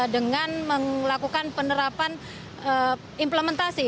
dengan melakukan penerapan implementasi